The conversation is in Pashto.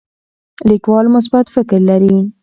لیکوال مثبت فکر لري.